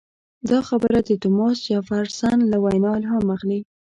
دا خبره د توماس جفرسن له وینا الهام اخلي.